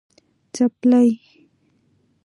🩴څپلۍ